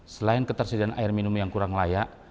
selain ketersediaan air minum yang kurang layak